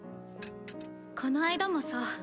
この間もそう。